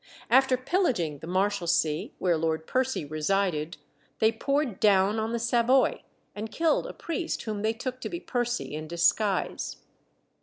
After pillaging the Marshalsea, where Lord Percy resided, they poured down on the Savoy and killed a priest whom they took to be Percy in disguise.